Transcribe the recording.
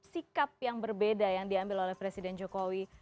sikap yang berbeda yang diambil oleh presiden jokowi